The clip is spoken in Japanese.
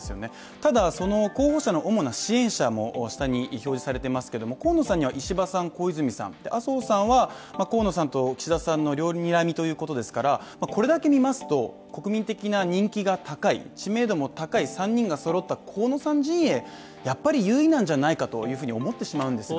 ただその候補者の主な支援者も下に表示されていますけれども河野さんには石破さん、小泉さん、麻生さんは河野さんと岸田さんの両にらみということですから、これだけ見ますと国民的な人気が高い知名度も高い３人がそろった、河野さん陣営がやっぱり有利なんじゃないかと思ってしまうのですが？